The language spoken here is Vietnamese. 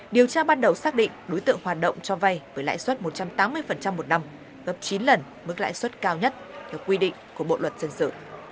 điều tra ban đầu xác định đối tượng hoạt động cho vay với lãi suất một trăm tám mươi một năm gấp chín lần mức lãi suất cao nhất theo quy định của bộ luật dân sự